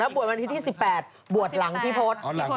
แล้วบวชวันที่ที่๑๘บวชหลังพี่โภษ